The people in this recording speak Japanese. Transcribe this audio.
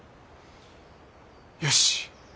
よし。